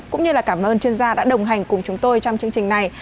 cũng như là cảm ơn chuyên gia đã đồng hành cùng chúng tôi trong chương trình này